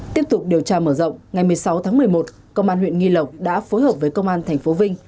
tiếp tục điều tra mở rộng ngày một mươi sáu tháng một mươi một công an huyện nghi lộc đã phối hợp với công an tp vinh